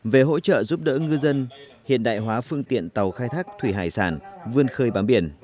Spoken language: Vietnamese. về hỗ trợ giúp đỡ ngư dân hiện đại hóa phương tiện tàu khai thác thủy hải sản